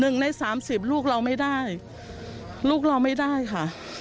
๑ใน๓๐ลูกเราไม่ได้ลูกเราไม่ได้ค่ะ